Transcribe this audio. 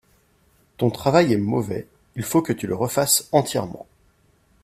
Ton travail est mauvais, il faut que tu le refasses entièrement.